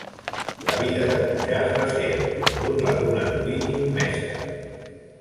La vida de Cujas va ser en conjunt la d'un erudit i un mestre.